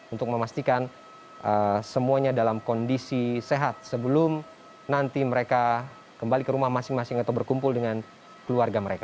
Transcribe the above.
untuk memastikan semuanya dalam kondisi sehat sebelum nanti mereka kembali ke rumah masing masing atau berkumpul dengan keluarga mereka